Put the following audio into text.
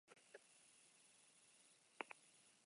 Oraindik ez dute horretarako antolatuko duten ekitaldia aurkeztu.